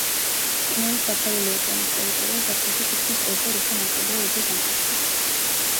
ყინულით დაფარული ოკეანის ტერიტორია ზაფხულში თითქმის ორჯერ უფრო ნაკლებია ვიდრე ზამთარში.